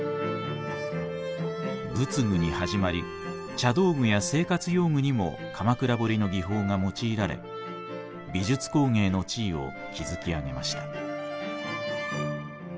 仏具にはじまり茶道具や生活用具にも鎌倉彫の技法が用いられ美術工芸の地位を築き上げました。